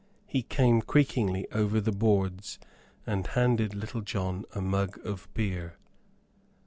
He came creakingly over the boards, and handed Little John a mug of beer.